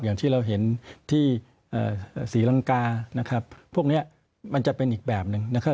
อย่างที่เราเห็นที่ศรีลังกานะครับพวกนี้มันจะเป็นอีกแบบหนึ่งนะครับ